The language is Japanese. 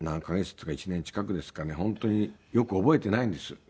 本当によく覚えてないんです。